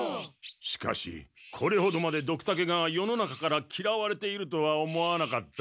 しかしこれほどまでドクタケが世の中からきらわれているとは思わなかった。